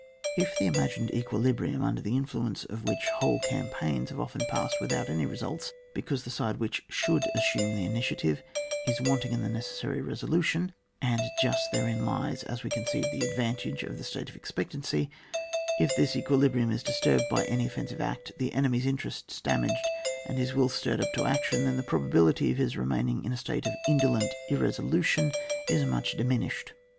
If the imagined equilibrium, under the influence of which whole campaigns have often passed without any results, because the side which should assume the initiative is wanting in the necessary resolution, — and just therein lies, as we conceive, the advantage of the state of expectancy — if this equilibrium is disturbed by an offensive act, the enemy's interests damaged, and his will stirred up to action, then the probability of his re maining in a state of indolent irresolution is much diminished.